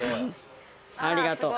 ありがとう。